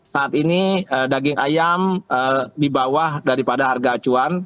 saat ini daging ayam di bawah daripada harga acuan